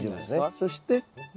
そして？